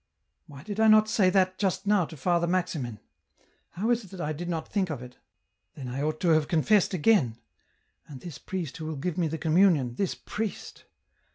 " Why did I not say that just now to Father Maximin . how is it I did not think of it ? Then I ought to have confessed again. And this priest who will give me the com munion, this priest